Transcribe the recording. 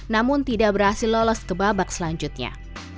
namun tidak berhasil lolos ke babak selanjutnya